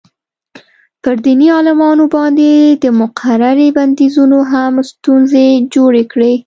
پر دیني عالمانو باندې د مقررې بندیزونو هم ستونزې جوړې کړې.